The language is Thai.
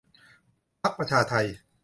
พรรคประชาไทย